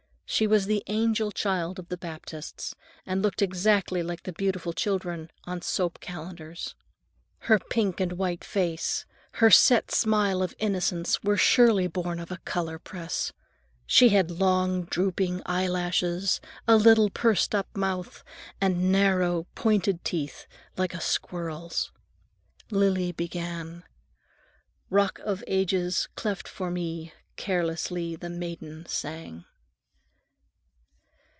She was the angel child of the Baptists, and looked exactly like the beautiful children on soap calendars. Her pink and white face, her set smile of innocence, were surely born of a color press. She had long, drooping eyelashes, a little pursed up mouth, and narrow, pointed teeth, like a squirrel's. Lily began:— "Rock of Ages, cleft for me, carelessly the maiden sang."